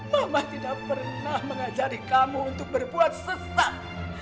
mama tidak pernah mengajari kamu untuk berbuat sesak